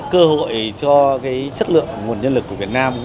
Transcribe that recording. cơ hội cho chất lượng nguồn nhân lực của việt nam